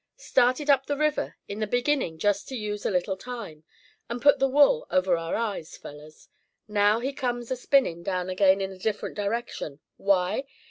Started up the river in the beginning just to use a little time, and pull the wool over our eyes, fellers. Now he comes a spinnin' down again in a little different direction. Why?